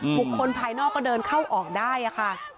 คนภายนอกก็เดินเข้าออกได้ค่ะ